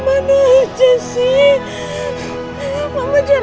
nanti kita berjalan